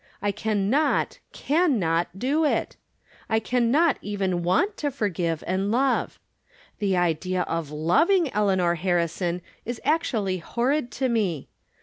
I can not, can not do it ! I can not even want to forgive, and love. The idea of lov ing Eleanor Harrison is actually horrid to me